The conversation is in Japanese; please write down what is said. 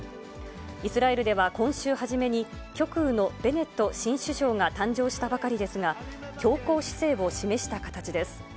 イスラエルでは今週初めに極右のベネット新首相が誕生したばかりですが、強硬姿勢を示した形です。